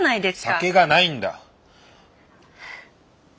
酒がないんだ。